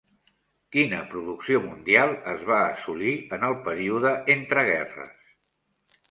Quina producció mundial es va assolir en el període entre guerres?